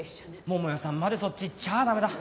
桃代さんまでそっちいっちゃあダメだ。